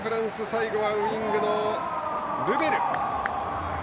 最後はウイングのルベル。